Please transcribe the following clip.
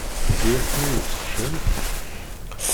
Yella kra i teččamt?